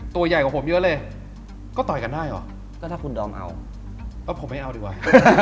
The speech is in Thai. ตัวใหญ่กว่าผมเยอะเลยก็ต่อยกันได้เหรอก็ถ้าคุณดอมเอาผมไม่เอาดีกว่า